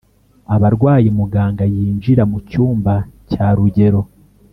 abarwayi muganga yinjira mucyumba cya rugero